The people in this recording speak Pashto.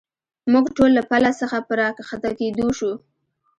موږ ټول له پله څخه په را کښته کېدو شو.